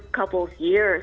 beberapa tahun pertama